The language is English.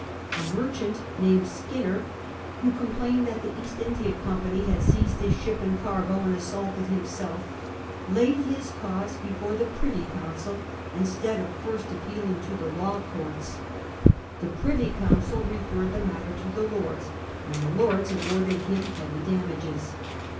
A merchant named Skinner, who complained that the East India Company had seized his ship and cargo, and assaulted himself, laid his cause before the Privy Council instead of first appealing to the law courts ; the Privy Council referred the matter to the Lords, and the Lords awarded him heavy damages.